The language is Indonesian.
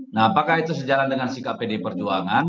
nah apakah itu sejalan dengan sikap pdi perjuangan